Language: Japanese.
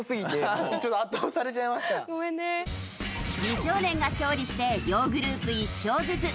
美少年が勝利して両グループ１勝ずつ。